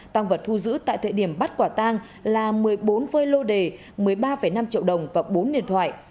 tăng vật thu giữ tại thời điểm bắt quả tang là một mươi bốn phơi lô đề một mươi ba năm triệu đồng và bốn điện thoại